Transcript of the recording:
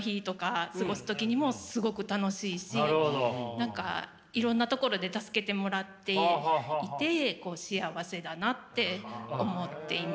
何かいろんなところで助けてもらっていて幸せだなって思っています。